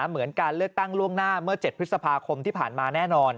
เหมือนการเลือกตั้งล่วงหน้าเมื่อ๗พฤษภาคมที่ผ่านมาแน่นอน